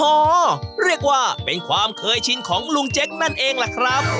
เรียกว่าเป็นความเคยชินของลุงเจ๊กนั่นเองล่ะครับ